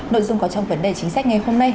nội dung có trong vấn đề chính sách ngày hôm nay